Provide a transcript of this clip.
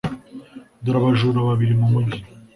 dore abajura babiri mu mujyi